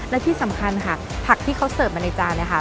และที่สำคัญค่ะผักที่เขาเสิร์ฟมาในจานเนี่ยค่ะ